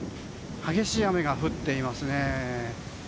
激しい雨が降っていますね。